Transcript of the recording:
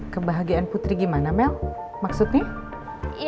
kebahagiaan putri gimana mel maksudnya